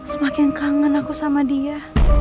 semakin kangen aku sama dia